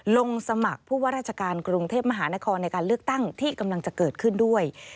ลงสมัครผู้ว่าราชการกรุงเทพมหานครในการเลือกตั้งที่กำลังจะเกิดขึ้นด้วย